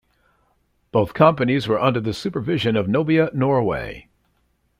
Both companies were under the supervision of Nobia Norway.